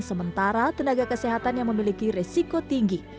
sementara tenaga kesehatan yang memiliki resiko tinggi